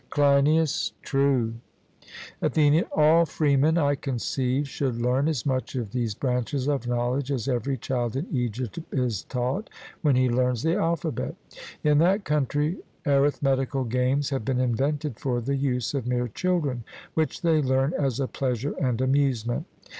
CLEINIAS: True. ATHENIAN: All freemen I conceive, should learn as much of these branches of knowledge as every child in Egypt is taught when he learns the alphabet. In that country arithmetical games have been invented for the use of mere children, which they learn as a pleasure and amusement.